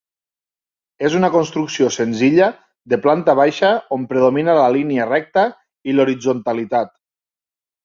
És una construcció senzilla de planta baixa on predomina la línia recta i l'horitzontalitat.